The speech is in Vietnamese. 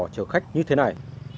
chờ khách như thế này